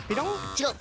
違う。